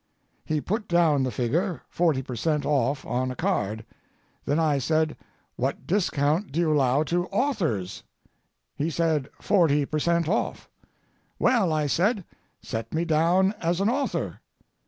He put down the figure, forty per cent. off, on a card. Then I said: "What discount do you allow to authors?" He said: "Forty per cent. off." "Well," I said, "set me down as an author."